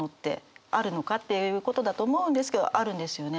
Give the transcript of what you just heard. っていうことだと思うんですけどあるんですよね。